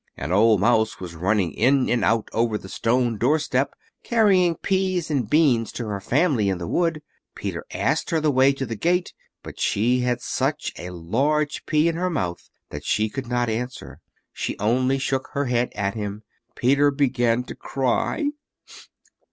An old mouse was running in and out over the stone doorstep, carrying peas and beans to her family in the wood. Peter asked her the way to the gate, but she had such a large pea in her mouth that she could not answer. She only shook her head at him. Peter began to cry.